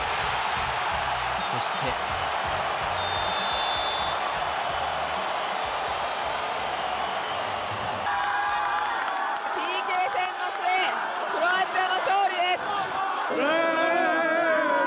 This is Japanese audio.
そしてＰＫ戦の末クロアチアの勝利です。